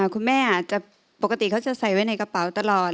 คุณแม่อาจจะปกติเขาจะใส่ไว้ในกระเป๋าตลอด